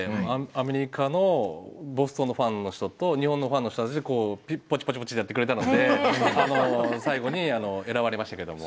アメリカのボストンのファンの人と日本のファンの人たちでこうポチポチやってくれたので最後に選ばれましたけども。